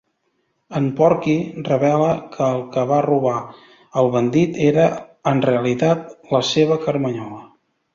En Porky revela que el que va robar el bandit era en realitat la seva carmanyola.